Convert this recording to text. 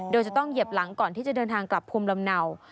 โดยจะต้องเหยียบหลังก่อนที่จะเดินทางกลับภูมิลำเนา